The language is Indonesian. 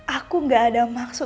aku gak ada maksud